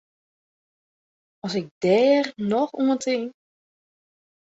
As ik dêr noch oan tink!